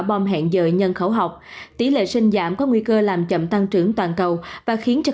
bom hẹn giờ nhân khẩu học tỷ lệ sinh giảm có nguy cơ làm chậm tăng trưởng toàn cầu và khiến cho